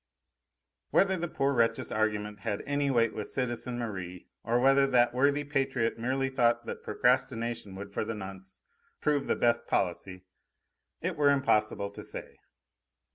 Whether the poor wretch's argument had any weight with citizen Merri, or whether that worthy patriot merely thought that procrastination would, for the nonce, prove the best policy, it were impossible to say.